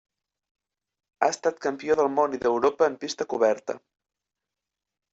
Ha estat campió del Món i d'Europa en pista coberta.